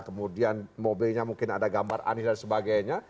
kemudian mobilnya mungkin ada gambar anies dan sebagainya